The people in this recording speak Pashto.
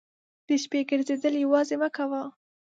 د شپې ګرځېدل یوازې مه کوه.